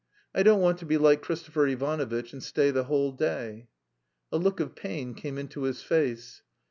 I don't want to be like Christopher Ivanovitch and stay the whole day." A look of pain came into his face.